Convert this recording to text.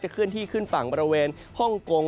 จะขึ้นที่ขึ้นฝั่งบริเวณฮ่องโกง